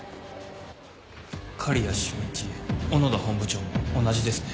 刈谷俊一小野田本部長も同じですね。